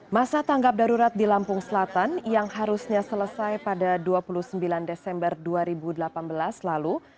masa tanggap darurat di lampung selatan yang harusnya selesai pada dua puluh sembilan desember dua ribu delapan belas lalu